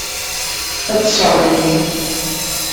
Ad t-tesseɣlim.